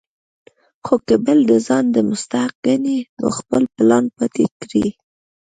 خو کۀ بل د ځان نه مستحق ګڼي نو خپل پلان پاتې کړي ـ